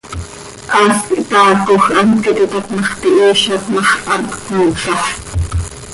Haas quih taacoj, hant quih iti tap ma x, tihiizat ma x, hant comcooca.